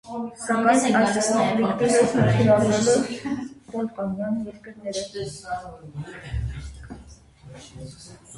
Սակայն, այս կոնֆլիկտի մեջ ներգրավվել են բալկանյան երկրները։